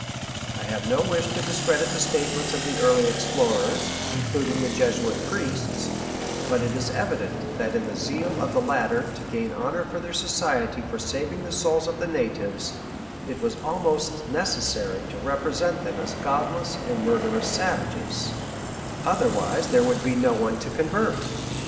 I have no wish to discredit the statements of the early explorers, including the Jesuit priests; but it is evident that in the zeal of the latter to gain honor for their society for saving the souls of the natives it was almost necessary to represent them as godless and murderous savages otherwise there would be no one to convert!